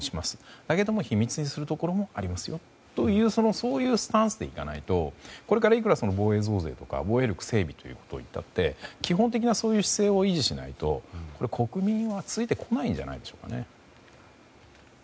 だけども秘密にするところもありますよというそういうスタンスでいかないとこれから、いくら防衛増税とか防衛力整備といったって基本的なそういう姿勢を維持しないと国民はついてこないんじゃないでしょうかね。